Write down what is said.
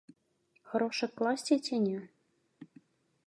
Гарошак класці ці не?